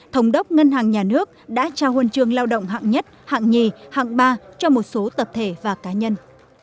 thống đốc ngân hàng nhà nước đã trao huân trường lao động hạng nhất hạng nhì hạng ba cho một số tập thể và cá nhân